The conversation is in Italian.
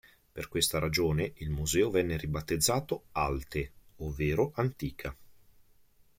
Per questa ragione il museo venne ribattezzato "Alte", ovvero antica.